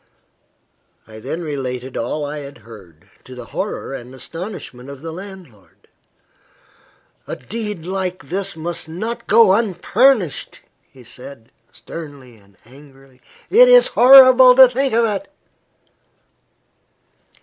I then related all I had heard, to the horror and astonishment of the landlord. "A deed like this must not go unpunished," he said, sternly and angrily. "It is horrible to think of it."